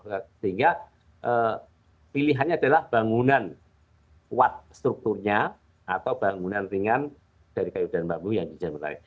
sehingga pilihannya adalah bangunan kuat strukturnya atau bangunan ringan dari kayu dan bambu yang tidak boleh